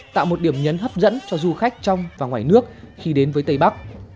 tạo một điểm nhấn hấp dẫn cho du khách trong và ngoài nước khi đến với tây bắc